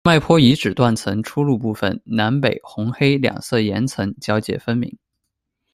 麦坡遗址断层出露部分南北红黑两色岩层交界分明。